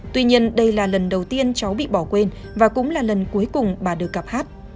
tuy nhiên đây là lần đầu tiên cháu bị bỏ quên và cũng là lần cuối cùng bà được gặp hát